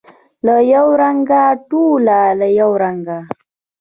له یوه رنګه، ټوله یو رنګه